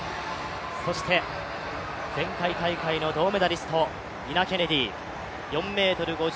そして、前回大会銅メダリスト、ニナ・ケネディ。